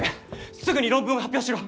すぐに論文を発表しろ！